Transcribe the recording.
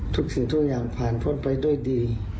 สิ่งทุกอย่างผ่านพ้นไปด้วยดี